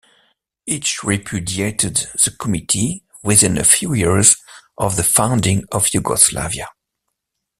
Each repudiated the Committee within a few years of the founding of Yugoslavia.